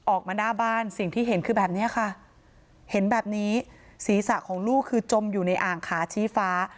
ออกมาหน้าบ้านสิ่งที่เห็นคือแบบเนี้ยค่ะเห็นแบบนี้ศีรษะของลูกคือจมอยู่ในอ่างขาชี้ฟ้า